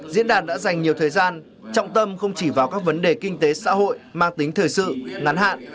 diễn đàn đã dành nhiều thời gian trọng tâm không chỉ vào các vấn đề kinh tế xã hội mang tính thời sự ngắn hạn